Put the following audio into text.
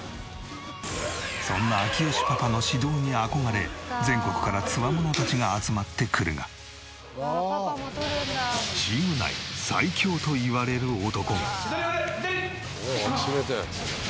そんな明慶パパの指導に憧れ全国からつわものたちが集まってくるがチーム内最強といわれる男が。おっわきしめて。